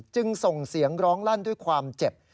จึงส่งเสียงร้องลั่นด้วยความเจ็บ